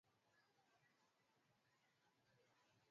wamejiandaa kufanya chochote kinachohitajika ili kurejesha utu wao